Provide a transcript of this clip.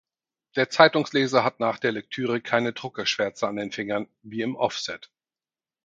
Der Zeitungsleser hat nach der Lektüre keine Druckerschwärze an den Fingern wie im Offset.